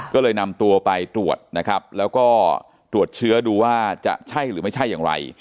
ก็เลยนำตัวไปตรวจนะครับแล้วก็ตรวจเชื้อดูว่าจะใช่หรือไม่ใช่อย่างไร